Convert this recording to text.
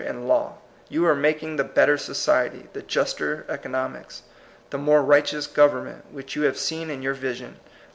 and law; you are making the better so ciety, the juster economics, the more right eous goyemment, which you have seen in your vision.